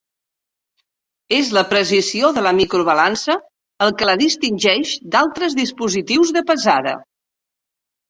És la precisió de la microbalança el que la distingeix d'altres dispositius de pesada.